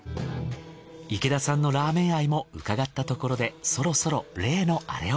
池田さんのラーメン愛も伺ったところでそろそろ例のアレを。